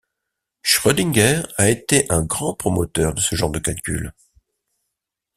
Schrödinger a été un grand promoteur de ce genre de calculs.